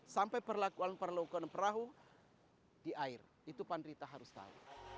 sampai perlakuan perlakuan perahu di air itu penderita harus tahu